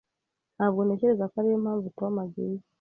Ntabwo ntekereza ko ariyo mpamvu Tom yagiye.